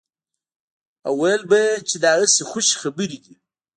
او ويل به يې چې دا هسې خوشې خبرې دي.